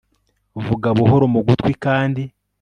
Vuga buhoro mu gutwi kandi